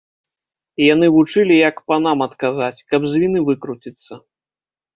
Яны вучылі, як панам адказаць, каб з віны выкруціцца.